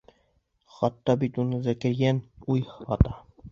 Һата бит уны Зәкирйән, уй, һата!